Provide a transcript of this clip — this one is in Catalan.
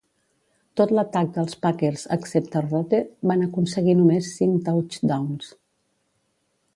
Tot l'atac dels Packers excepte Rote van aconseguir només cinc touchdowns.